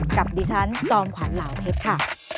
กับดิฉันจอมขวัญเหลาเพชรค่ะ